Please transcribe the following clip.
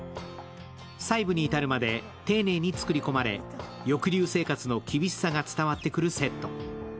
細部に至るまで丁寧に作り込まれ抑留生活の厳しさが伝わってくるセット。